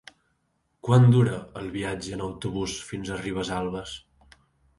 Quant dura el viatge en autobús fins a Ribesalbes?